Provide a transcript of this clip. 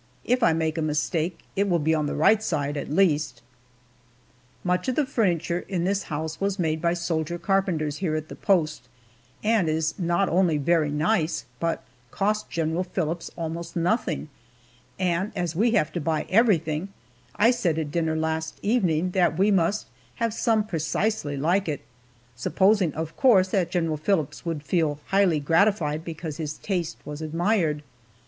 If I make a mistake, it will be on the right side, at least. Much of the furniture in this house was made by soldier carpenters here at the post, and is not only very nice, but cost General Phillips almost nothing, and, as we have to buy everything, I said at dinner last evening that we must have some precisely like it, supposing, of course, that General Phillips would feel highly gratified because his taste was admired.